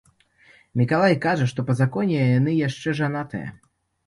Мікалай кажа, што па законе яны яшчэ жанатыя.